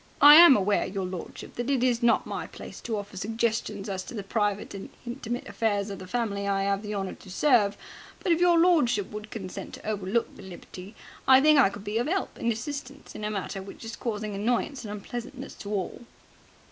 "I am aware, your lordship, that it is not my place to offer suggestions as to the private and intimate affairs of the family I 'ave the honour to serve, but, if your lordship would consent to overlook the liberty, I think I could be of 'elp and assistance in a matter which is causing annoyance and unpleasantness to all."